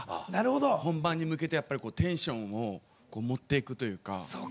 本番に向けてテンションを持っていくというか。